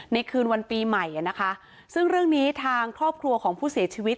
คืนวันปีใหม่นะคะซึ่งเรื่องนี้ทางครอบครัวของผู้เสียชีวิต